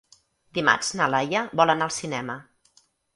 Dimarts na Laia vol anar al cinema.